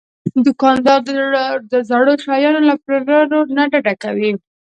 دوکاندار د زړو شیانو له پلور نه ډډه کوي.